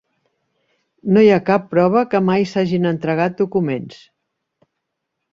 No hi ha cap prova que mai s'hagin entregat documents.